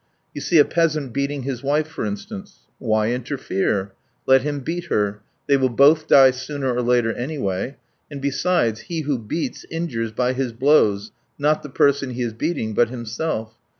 You see a peasant beating his wife, for instance. Why interfere? Let him beat her, they will both die sooner or later, anyway; and, besides, he who beats injures by his blows, not the person he is beating, but himself.